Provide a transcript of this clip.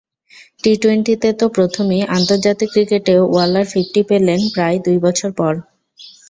টি-টোয়েন্টিতে তো প্রথমই, আন্তর্জাতিক ক্রিকেটে ওয়ালার ফিফটি পেলেন প্রায় দুই বছর পর।